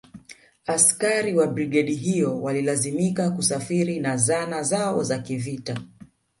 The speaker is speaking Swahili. Askari wa brigedi hiyo walilazimika kusafiri na zana zao za kivita